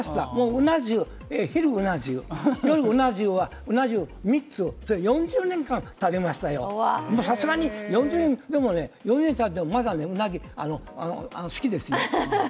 うな重、昼、うな重、夜うな重は３つ、４０年間食べましたよ、さすがに４０年でもね、４０年食べてもまだうなぎ、好きですよ？